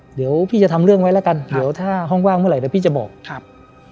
เดี๋ยวพี่จะทำเรื่องไว้แล้วกันเดี๋ยวถ้าห้องว่างเมื่อไหร่พี่จะบอกครับ